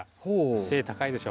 背高いでしょ？